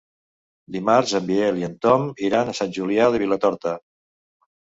Dimarts en Biel i en Tom iran a Sant Julià de Vilatorta.